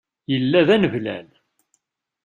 Yella d aneblal.